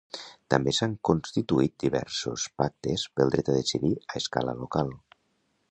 També s'han constituït diversos pactes pel dret a decidir a escala local.